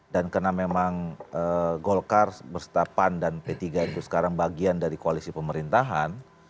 dan karena memang golkar bersetapan dan p tiga itu sekarang bagian dari koalisi pemerintahan